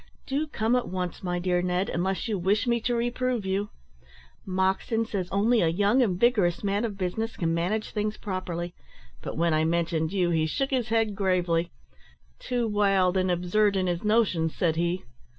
Do come at once, my dear Ned, unless you wish me to reprove you. Moxton says only a young and vigorous man of business can manage things properly; but when I mentioned you, he shook his head gravely. `Too wild and absurd in his notions,' said he.